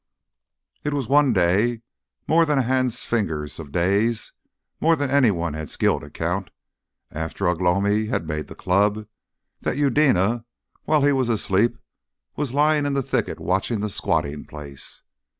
It was one day more than a hand's fingers of days, more than anyone had skill to count after Ugh lomi had made the club, that Eudena while he was asleep was lying in the thicket watching the squatting place.